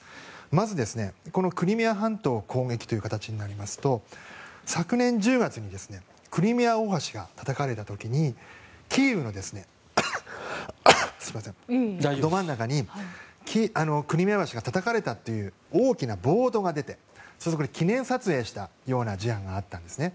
まず、クリミア半島を攻撃という形になりますと昨年１０月にクリミア大橋がたたかれた時にキーウのど真ん中にクリミア大橋がたたかれたと大きなボードが出て記念撮影したような事案があったんですね。